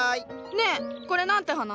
ねえこれ何て花？